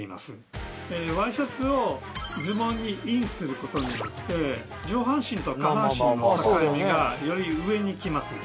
ワイシャツをズボンにインすることによって上半身と下半身の境目がより上に来ます。